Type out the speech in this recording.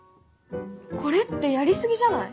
これってやり過ぎじゃない？